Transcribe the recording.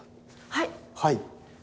はい。